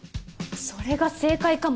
それが正解かも。